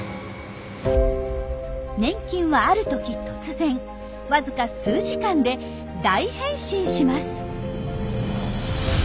粘菌はある時突然わずか数時間で大変身します。